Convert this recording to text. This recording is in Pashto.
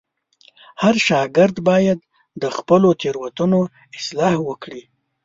هر شاګرد باید د خپلو تېروتنو اصلاح وکړي.